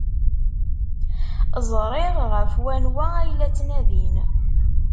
Ẓriɣ ɣef wanwa ay la ttnadin.